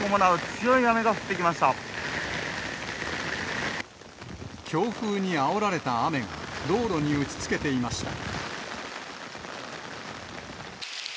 強風にあおられた雨が道路に打ちつけていました。